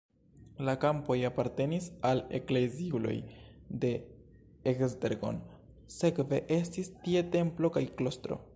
La kampoj apartenis al ekleziuloj de Esztergom, sekve estis tie templo kaj klostro.